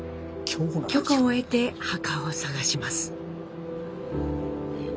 許可を得て墓を探します。